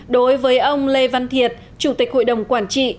đối với ông lê văn thiệt chủ tịch hội đồng quản trị